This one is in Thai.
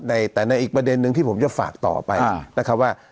แต่ในอีกประเด็นนึงที่ผมจะฝากต่อไปนะครับว่า